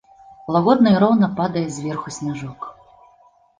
Лагодна і роўна падае зверху сняжок.